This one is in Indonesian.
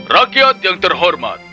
rakyat yang terhormat